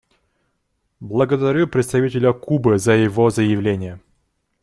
Благодарю представителя Кубы за его заявление.